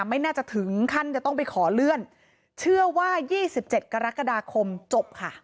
ไม่น่าจะถึงขั้นจะต้องไปขอเลื่อนเชื่อว่า๒๗กรกฎาคมจบค่ะ